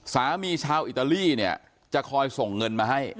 ชาวอิตาลีเนี่ยจะคอยส่งเงินมาให้